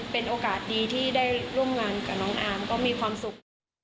เป็นโอกาสดีที่ได้ร่วมงานกับน้องอาร์มก็มีความสุข